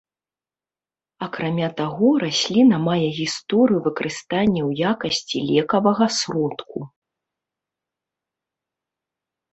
Акрамя таго, расліна мае гісторыю выкарыстання ў якасці лекавага сродку.